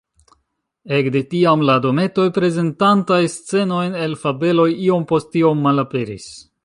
Ekde tiam, la dometoj prezentantaj scenojn el fabeloj iom post iom malaperis.